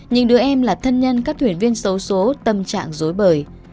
những đứa em là thân nhân các thuyền viên xấu xố tâm trạng dối bời